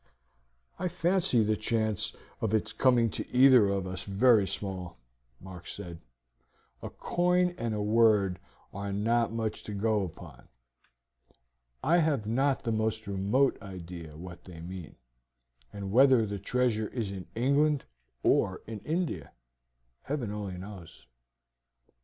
"I fancy the chance of its coming to either of us is very small," Mark said; "a coin and a word are not much to go upon. I have not the most remote idea what they mean, and whether the treasure is in England or in India, Heaven only knows."